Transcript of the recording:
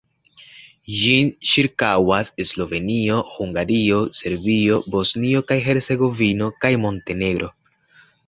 Ĝin ĉirkaŭas Slovenio, Hungario, Serbio, Bosnio kaj Hercegovino kaj Montenegro.